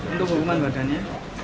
untuk hubungan badannya